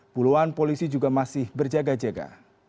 puluhan polisi juga masih berjaga jaga